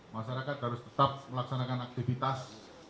masyarakat harus tetap melaksanakan aktivitas